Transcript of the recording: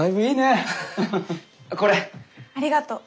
ありがとう。